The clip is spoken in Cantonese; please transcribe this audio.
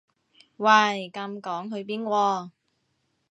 喂咁趕去邊喎